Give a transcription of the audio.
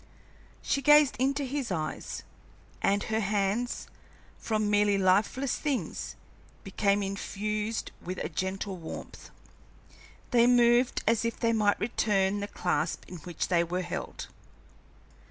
She gazed into his eyes, and her hands, from merely lifeless things, became infused with a gentle warmth; they moved as if they might return the clasp in which they were held.